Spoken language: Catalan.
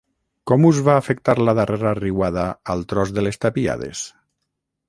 Com us va afectar la darrera riuada al tros de les Tapiades?